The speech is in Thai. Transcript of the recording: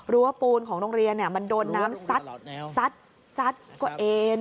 รั้วปูนของโรงเรียนมันโดนน้ำซัดกว่าเอน